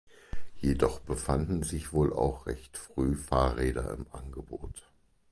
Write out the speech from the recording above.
Jedoch befanden sich wohl auch recht früh Fahrräder im Angebot.